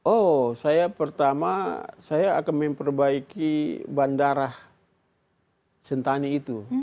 oh saya pertama saya akan memperbaiki bandara sentani itu